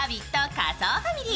仮想ファミリー。